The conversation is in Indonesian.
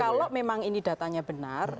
kalau memang ini datanya benar